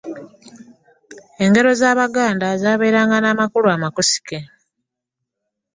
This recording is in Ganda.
Engero z'abaganda zabeeranga n'amukulu amakusike.